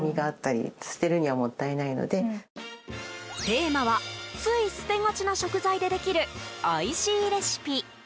テーマは、つい捨てがちな食材でできるおいしいレシピ。